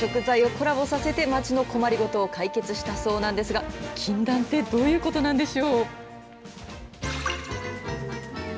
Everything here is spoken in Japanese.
ある食材をコラボさせて町の困りごとを解決したそうなんですが禁断ってどういうことなんでしょう。